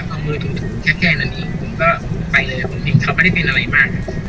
ผมก็เอามือถูแค่หนึ่งผมก็ไปเลยผมเห็นเขาไม่ได้เป็นอะไรมาก